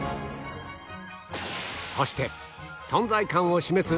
そして存在感を示す